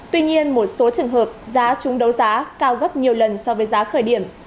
tuy nhiên một số trường hợp giá trúng đấu giá cao gấp nhiều lần so với giá khởi điểm